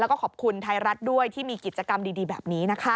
แล้วก็ขอบคุณไทยรัฐด้วยที่มีกิจกรรมดีแบบนี้นะคะ